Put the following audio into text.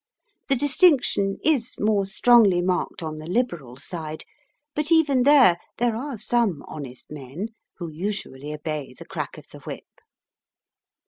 The distinction is more strongly marked on the Liberal side; but even there there are some honest men who usually obey the crack of the Whip.